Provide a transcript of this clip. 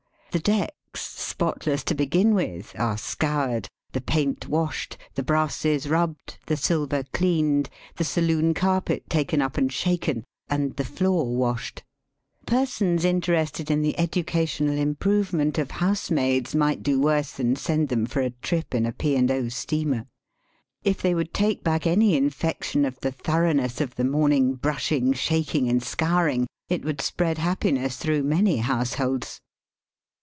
The decks, spotless to begin with, are scoured, the paint washed, the brasses rubbed, the silver cleaned, the saloon carpet taken up and shaken, and the floor washed. Persons interested in the educa Digitized by VjOOQIC THE ISLE OP SPICY BEEEZES. 143 tional improvement of housemaids might do worse than send them for a trip in a P. and 0. steamer. K they would take hack any infection of the thoroughness of the morning brushing, shaking, and scouring, it would spread happiness through many households.